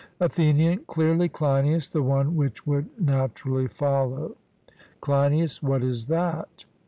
ATHENIAN: Clearly, Cleinias, the one which would naturally follow. CLEINIAS: What is that?